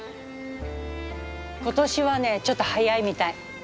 今年はねちょっと早いみたい。